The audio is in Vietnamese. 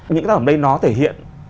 những cái tác phẩm đây nó thể hiện